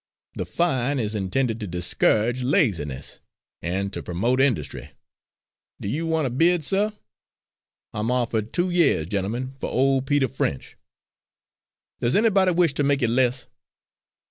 The fine is intended to discourage laziness and to promote industry. Do you want to bid, suh? I'm offered two yeahs, gentlemen, for old Peter French? Does anybody wish to make it less?"